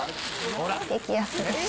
激安です。